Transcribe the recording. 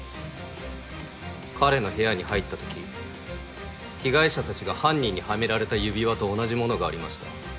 彼の部屋に入ったとき被害者たちが犯人にはめられた指輪と同じものがありました。